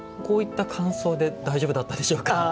こういった感想で大丈夫だったでしょうか？